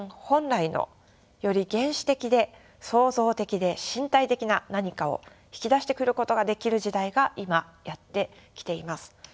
本来のより原始的で創造的で身体的な何かを引き出してくることができる時代が今やって来ています。